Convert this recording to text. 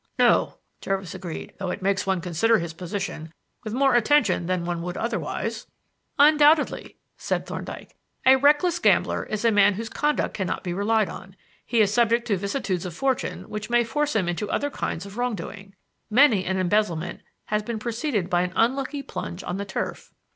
"No," Jervis agreed, "though it makes one consider his position with more attention than one would otherwise." "Undoubtedly," said Thorndyke. "A reckless gambler is a man whose conduct cannot be relied on. He is subject to vicissitudes of fortune which may force him into other kinds of wrong doing. Many an embezzlement has been preceded by an unlucky plunge on the turf."